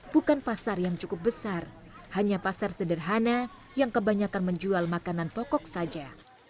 bukan pasar yang cukup besar hanya pasar sederhana yang kebanyakan menjual makanan pokok saja